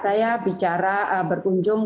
saya bicara berkunjung